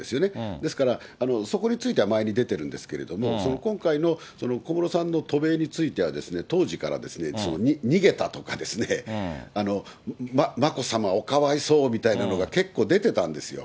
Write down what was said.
ですから、そこについては前に出てるんですけども、今回の小室さんの渡米については、当時から逃げたとか、眞子さま、おかわいそうみたいなのが結構出てたんですよ。